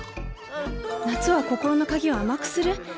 夏は心の鍵を甘くする？